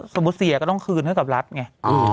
เสียก็ต้องคืนให้กับรัฐไง